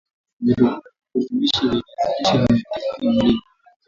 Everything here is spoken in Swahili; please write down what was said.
virutubishi vya viazi lishe vinahitajika mwilini